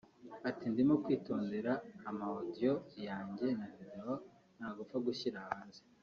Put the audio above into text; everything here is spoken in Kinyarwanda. Ati “ Ndimo kwitondera ama audio yanjye na video nta gupfa gushyira hanze